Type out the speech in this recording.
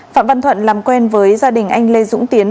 phạm văn thuận làm quen với gia đình anh lê dũng tiến